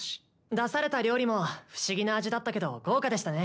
出された料理も不思議な味だったけど豪華でしたね。